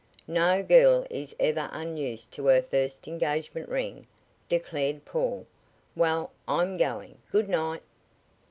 "No girl is ever unused to her first engagement ring," declared Paul. "Well, I'm going. Goodnight."